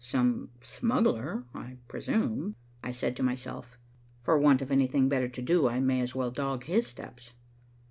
"Some smuggler, I presume," I said to myself. "For want of anything better to do, I may as well dog his steps."